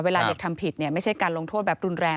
เวลาเด็กทำผิดไม่ใช่การลงโทษแบบรุนแรง